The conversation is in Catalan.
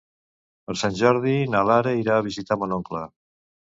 Per Sant Jordi na Lara irà a visitar mon oncle.